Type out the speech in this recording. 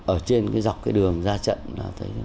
ở trên dọc cái đường ra trận